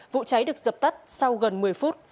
vụ cháy được dập tắt sau gần một mươi phút